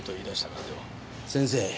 先生。